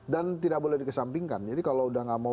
dan tidak boleh dikesampingkan jadi kalau udah nggak mau